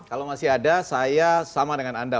kalau masih ada saya sama dengan anda